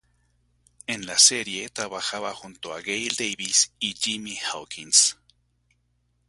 En la serie trabajaba junto a Gail Davis y Jimmy Hawkins.